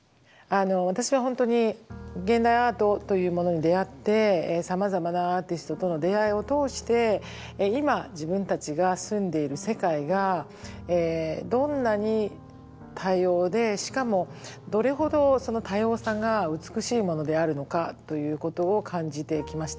私は本当に現代アートというものに出会ってさまざまなアーティストとの出会いを通して今自分たちが住んでいる世界がどんなに多様でしかもどれほどその多様さが美しいものであるのかということを感じてきました。